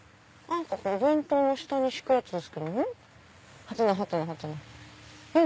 お弁当の下に敷くやつですけどうん？